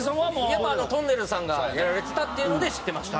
やっぱとんねるずさんがやられてたっていうので知ってました。